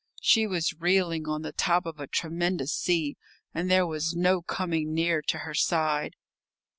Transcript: She was reeling on the top of a tremendous sea, and there was no coming near to her side.